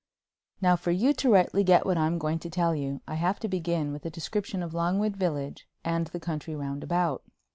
Now for you to rightly get what I'm going to tell I'll have to begin with a description of Longwood village and the country round about.